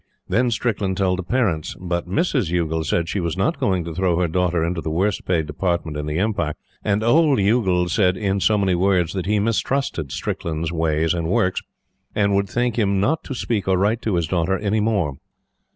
Then Strickland told the parents; but Mrs. Youghal said she was not going to throw her daughter into the worst paid Department in the Empire, and old Youghal said, in so many words, that he mistrusted Strickland's ways and works, and would thank him not to speak or write to his daughter any more.